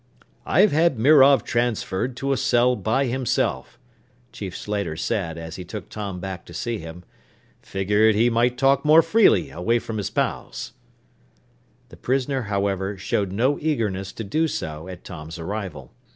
"I've had Mirov transferred to a cell by himself," Chief Slater said as he took Tom back to see him. "Figured he might talk more freely away from his pals." The prisoner, however, showed no eagerness to do so at Tom's arrival.